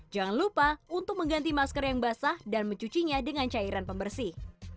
jangan lupa untuk mengganti masker yang basah dan mencucinya dengan cairan pembersih